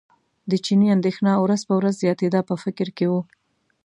د چیني اندېښنه ورځ په ورځ زیاتېده په فکر کې و.